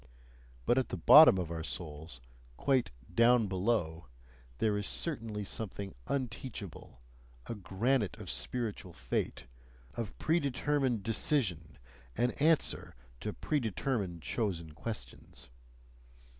But at the bottom of our souls, quite "down below," there is certainly something unteachable, a granite of spiritual fate, of predetermined decision and answer to predetermined, chosen questions.